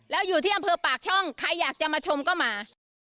แล้วอยู่ที่อำเภอปากช่องใครอยากจะมาชมก็มา